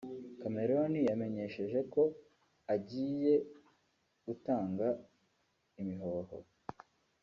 Cameron yamenyesheje ko agiye gutanga imihoho